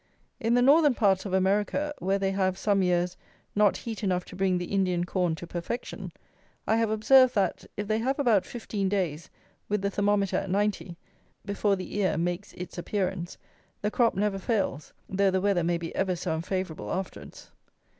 In the Northern parts of America, where they have, some years, not heat enough to bring the Indian Corn to perfection, I have observed that, if they have about fifteen days with the thermometer at ninety, before the ear makes its appearance, the crop never fails, though the weather may be ever so unfavourable afterwards.